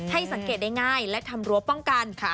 ให้สังเกตได้ง่ายและทำรั้วป้องกัน